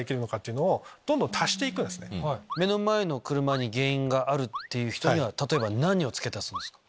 目の前の車に原因があるっていう人には例えば何を付け足すんですか？